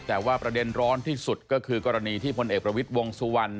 แต่ว่าประเด็นร้อนที่สุดก็คือกรณีที่พลเอกประวิทย์วงสุวรรณ